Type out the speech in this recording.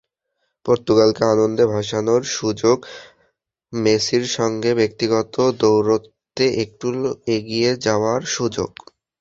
পর্তুগালকে আনন্দে ভাসানোর সুযোগ, মেসির সঙ্গে ব্যক্তিগত দ্বৈরথে একটু এগিয়ে যাওয়ার সুযোগ।